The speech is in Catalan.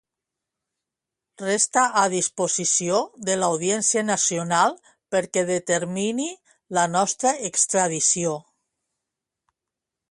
Resta a disposició de l'Audiència Nacional perquè determini la nostra extradició.